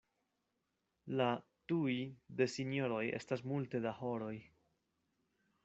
La "tuj" de sinjoroj estas multe da horoj.